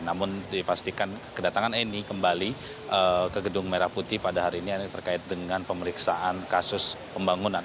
namun dipastikan kedatangan eni kembali ke gedung merah putih pada hari ini terkait dengan pemeriksaan kasus pembangunan